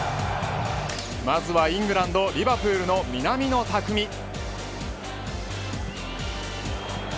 まずはイングランドリヴァプールの南野拓実。